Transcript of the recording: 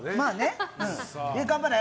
頑張れ。